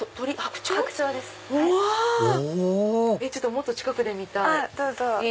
もっと近くで見たい。